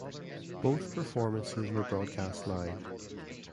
Both performances were broadcast live.